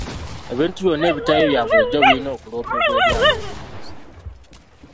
Ebintu byonna ebitali bya bulijjo birina okuloopebwa eri ab'obuyinza.